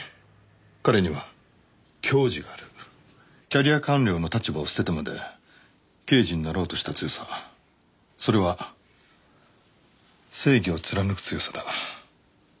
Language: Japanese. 「キャリア官僚の立場を捨ててまで刑事になろうとした強さそれは正義を貫く強さだ」